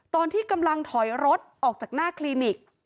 ตอนที่กำลังถอยรถออกจากหน้าคลินิก